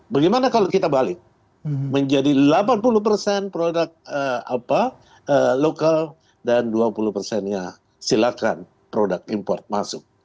bagaimana kalau kita balik menjadi delapan puluh produk apa lokal dan dua puluh nya silakan produk impor masuk